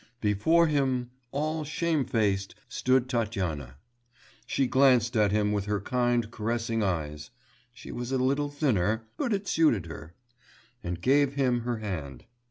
Before him, all shamefaced, stood Tatyana. She glanced at him with her kind caressing eyes (she was a little thinner, but it suited her), and gave him her hand.